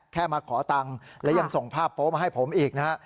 แค่มาขอตังค์และยังส่งภาพโป๊มาให้ผมอีกนะฮะ